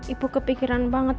ibu kepikiran banget